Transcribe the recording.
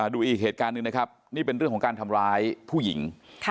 ดูอีกเหตุการณ์หนึ่งนะครับนี่เป็นเรื่องของการทำร้ายผู้หญิง